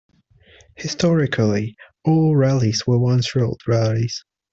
Historically, all rallies were once road rallies.